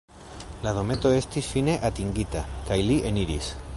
La dometo estis fine atingita, kaj li eniris.